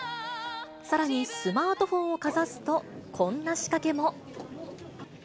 さらに、スマートフォンをかざすと、こんな仕掛けも。